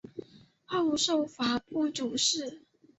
后授法部主事。